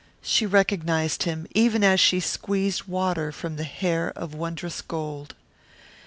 She recognized him, even as she squeezed water from the hair of wondrous gold.